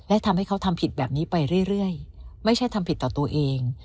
และทำให้เขาทำผิดแบบนี้ไปเรื่อยไม่ใช่ทำผิดต่อตัวเอง